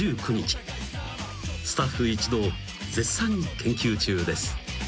［スタッフ一同絶賛研究中です］